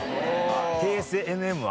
ＫＳＮＭは？